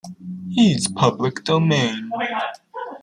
He's public domain.